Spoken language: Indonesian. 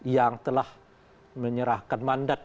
yang telah menyerahkan mandat